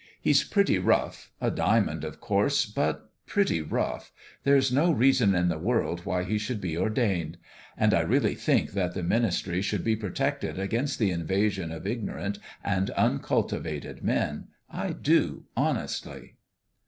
He's pretty rough. A diamond, of course but pretty rough ! There's no reason in the world why he should be ordained. And I really think that the ministry should be protected against the invasion of ignorant and uncultivated men. I do, hon estly